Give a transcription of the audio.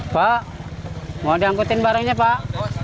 pak mau diangkutin barangnya pak